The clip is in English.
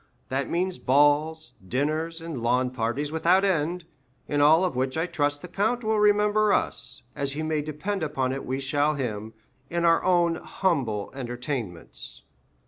That means balls, dinners, and lawn parties without end, in all of which I trust the count will remember us, as he may depend upon it we shall him, in our own humble entertainments."